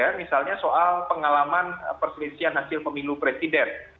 ya misalnya soal pengalaman perselisihan hasil pemilu presiden